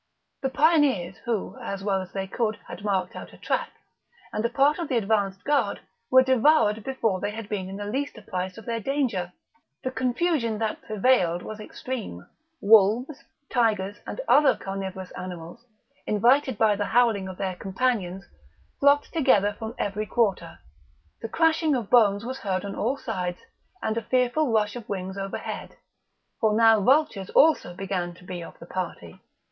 The pioneers, who, as well as they could, had marked out a track, and a part of the advanced guard were devoured before they had been in the least apprized of their danger. The confusion that prevailed was extreme; wolves, tigers, and other carnivorous animals, invited by the howling of their companions, flocked together from every quarter; the crashing of bones was heard on all sides, and a fearful rush of wings overhead, for now vultures also began to be of the party.